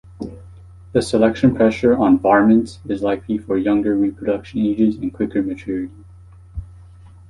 The selection pressure on varmints is likely for younger reproduction ages and quicker maturity.